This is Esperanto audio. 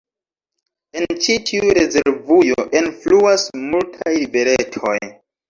En ĉi tiu rezervujo enfluas multaj riveretoj.